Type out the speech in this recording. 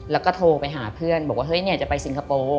แล้วก็โทรไปหาเพื่อน